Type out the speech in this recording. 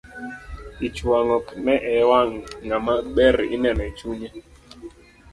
Ich wang' ok ne e wang' ngama ber ineno e chunnye.